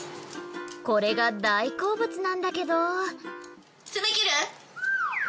これが大好物なんだけど。